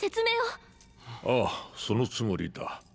あぁそのつもりだ。